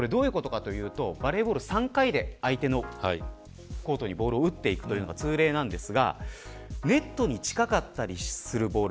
バレーボール３回で相手のコートにボールを打っていくというのが通例なんですがネットに近かったりするボール